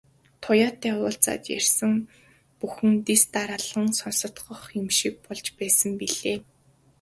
Туяатай уулзаад ярьсан бүхэн дэс дараалан сонстох шиг болж байсан билээ.